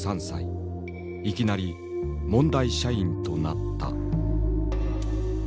いきなり問題社員となった。